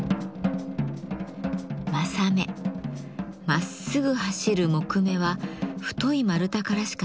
まっすぐ走る木目は太い丸太からしか取れません。